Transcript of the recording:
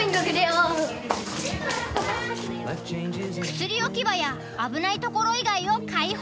薬置き場や危ないところ以外を開放。